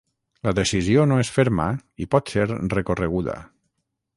La decisió no és ferma i pot ser recorreguda.